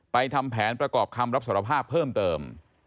ทำแผนประกอบคำรับสารภาพเพิ่มเติม